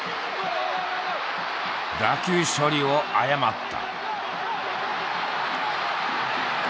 打球処理を誤った。